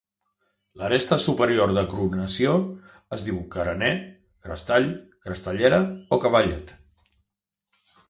L'aresta superior de coronació es diu carener, crestall, crestallera o cavallet.